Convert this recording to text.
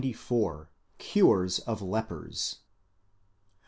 ὃ 94. CURES OF LEPERS.